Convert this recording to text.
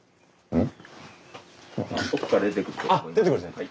うん。